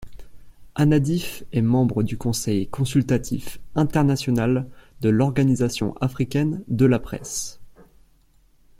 Annadif est membre du Conseil consultatif international de l'Organisation africaine de la presse.